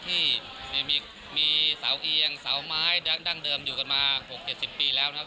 ที่มีเสาเอียงเสาไม้ดั้งเดิมอยู่กันมา๖๗๐ปีแล้วนะครับ